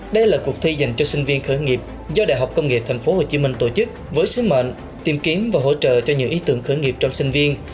đây là cuộc thi dành cho sinh viên khởi nghiệp do đại học công nghệ tp hcm tổ chức với sứ mệnh tìm kiếm và hỗ trợ cho nhiều ý tưởng khởi nghiệp trong sinh viên